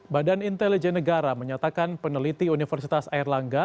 badan intelijen negara menyatakan peneliti universitas airlangga